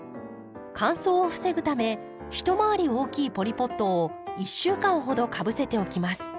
乾燥を防ぐため一回り大きいポリポットを１週間ほどかぶせておきます。